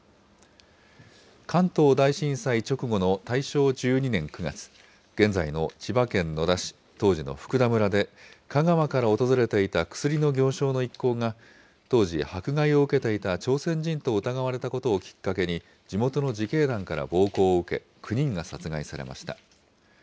関東大震災直後の大正１２年９月、現在の千葉県野田市、当時の福田村で、香川から訪れていた薬の行商の一行が、当時、迫害を受けていた朝鮮人と疑われたことをきっかけに、地元の自警団から暴行を受け、９人が殺害されました。